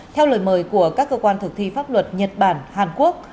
theo lời mời của các cơ quan thực thi pháp luật nhật bản hàn quốc